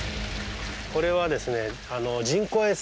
これはですね